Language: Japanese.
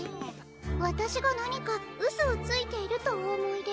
わたしがなにかうそをついているとおおもいで？